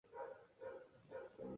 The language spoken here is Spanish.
En este punto, el Teniente Comandante.